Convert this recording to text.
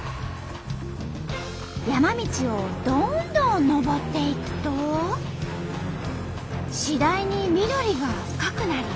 山道をどんどんのぼっていくと次第に緑が深くなり。